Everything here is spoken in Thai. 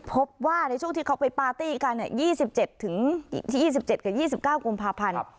พบว่าในช่วงที่เขาไปปาร์ตี้กัน๒๗๒๗กับ๒๙กุมภาพันธ์